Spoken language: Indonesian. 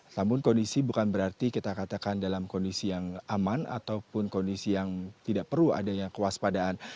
namun kondisi bukan berarti kita katakan dalam kondisi yang aman ataupun kondisi yang tidak perlu adanya kewaspadaan